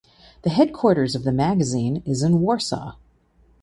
The headquarters of the magazine is in Warsaw.